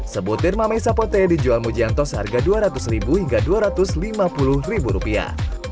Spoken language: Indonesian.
sebutir mame sapote dijual mujianto seharga dua ratus ribu hingga dua ratus lima puluh ribu rupiah